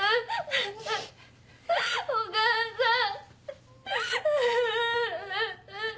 お母さん。